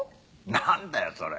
何だよそれ。